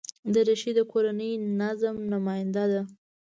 دریشي د کورني نظم نماینده ده.